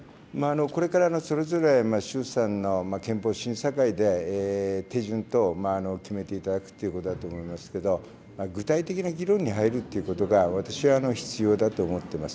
これからそれぞれ衆参の憲法審査会で、手順等、決めていただくということだと思いますけれども、具体的な議論に入るということが、私は必要だと思っています。